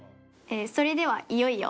それではいよいよ。